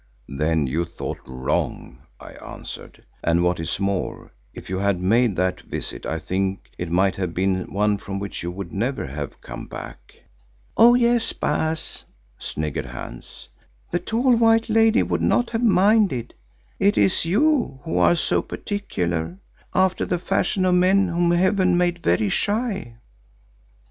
"Then you thought wrong," I answered, "and what is more, if you had made that visit I think it might have been one from which you would never have come back." "Oh yes, Baas," sniggered Hans. "The tall white lady would not have minded. It is you who are so particular, after the fashion of men whom Heaven made very shy."